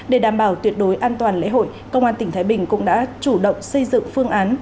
để đảm bảo tuyệt đối an toàn lễ hội công an tỉnh thái bình cũng đã chủ động xây dựng phương án